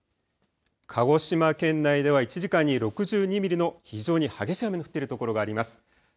鹿児島県内では１時間に６２ミリの非常に激しい雨の降っている所があります。